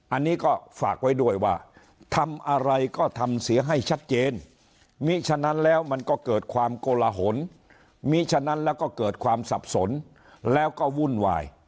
อันนี้ก็ฝากไว้ด้วยว่าทำอะไรก็ทำเสียให้ชัดเจนมีฉะนั้นแล้วมันก็เกิดความโกลหนมีฉะนั้นแล้วก็เกิดความสับสนแล้วก็วุ่นวาย